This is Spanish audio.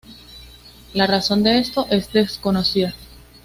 La razón de esto es desconocida.